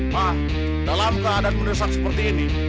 pak dalam keadaan menesak seperti ini